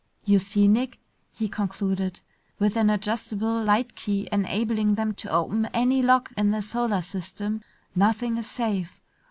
"You see, Nick," he concluded, "with an adjustable light key enabling them to open any lock in the solar system, nothing is safe.